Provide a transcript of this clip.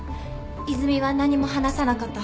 泉は何も話さなかった。